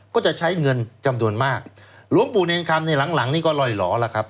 ก็จะใช้เงินจำนวนมากหลวงปู่เนรคำในหลังหลังนี่ก็ล่อยหล่อแล้วครับ